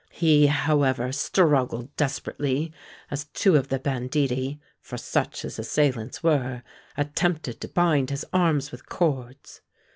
He, however, struggled desperately, as two of the banditti (for such his assailants were) attempted to bind his arms with cords.